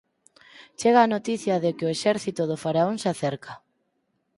Chega a noticia de que o exército do Faraón se acerca.